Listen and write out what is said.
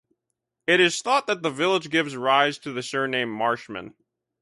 It is thought that the village gives rise to the surname Marshman.